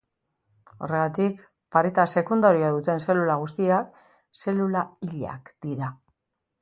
Horregatik, pareta sekundarioa duten zelula guztiak zelula hilak dira.